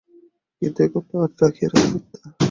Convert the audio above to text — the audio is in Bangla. কিন্তু এখন আর ঢাকিয়া রাখা মিথ্যা।